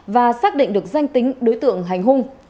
và xác định được danh tính đối tượng hành hung